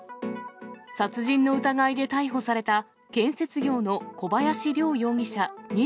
殺人の疑いで逮捕された、建設業の小林涼容疑者